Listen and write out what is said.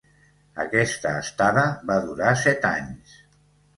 Aquesta estada va durar set anys.